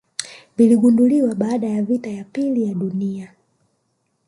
viligunduliwa baada ya vita ya pili ya duni